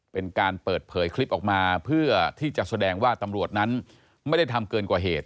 เป็นการเปิดเผยคลิปออกมาเพื่อที่จะแสดงว่าตำรวจนั้นไม่ได้ทำเกินกว่าเหตุ